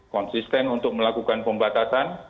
konsisten untuk melakukan pembatasan